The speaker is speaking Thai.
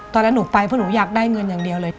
ตอนนั้นหนูไปเพราะหนูอยากได้เงินอย่างเดียวเลย